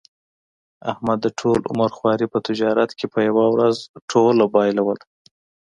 احمد د ټول عمر خواري په تجارت کې په یوه ورځ ټوله بایلوله.